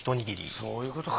そういうことか。